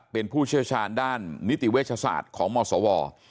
เป็นผู้เชี่ยวชาญด้านนิติเวชศาสตร์ของมศว